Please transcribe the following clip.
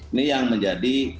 ini yang menjadi